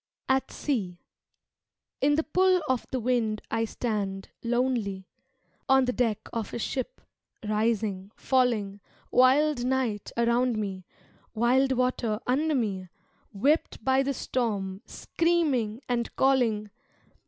At Sea In the pull of the wind I stand, lonely, On the deck of a ship, rising, falling, Wild night around me, wild water under me, Whipped by the storm, screaming and calling.